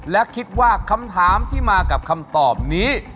และคิดว่าคำถามที่มากับคำตอบนี้